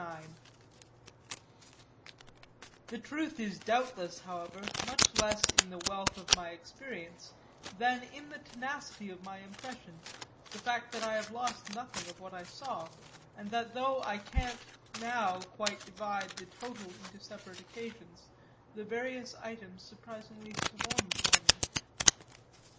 IX The truth is doubtless, however, much less in the wealth of my experience than in the tenacity of my impression, the fact that I have lost nothing of what I saw and that though I can't now quite divide the total into separate occasions the various items surprisingly swarm for me.